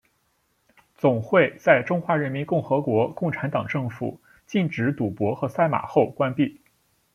总会在中华人民共和国共产党政府禁止赌博和赛马后关闭。